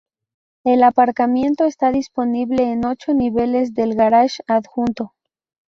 El aparcamiento está disponible en ocho niveles del garaje adjunto.